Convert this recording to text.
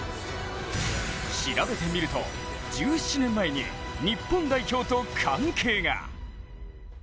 調べてみると、１７年前に日本代表と関係が。